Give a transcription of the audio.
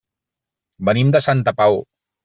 Venim de Santa Pau.